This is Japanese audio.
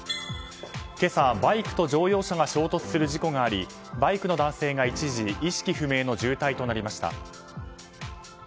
今朝、バイクと乗用車が衝突する事故がありバイクの男性が一時意識不明の重体となりました。